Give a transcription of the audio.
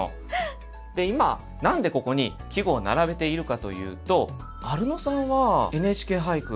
で今何でここに季語を並べているかというとアルノさんは「ＮＨＫ俳句」